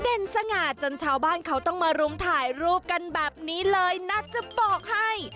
สง่าจนชาวบ้านเขาต้องมารุมถ่ายรูปกันแบบนี้เลยนะจะบอกให้